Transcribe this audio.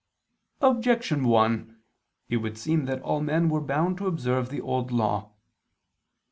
Objection 1: It would seem that all men were bound to observe the Old Law.